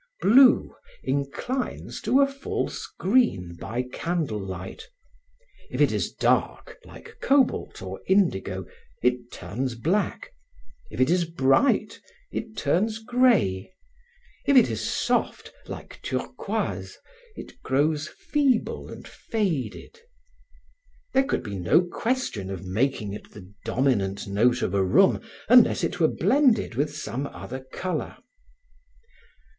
Blue inclines to a false green by candle light: if it is dark, like cobalt or indigo, it turns black; if it is bright, it turns grey; if it is soft, like turquoise, it grows feeble and faded. There could be no question of making it the dominant note of a room unless it were blended with some other color.